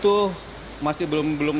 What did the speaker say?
itu masih belum berhasil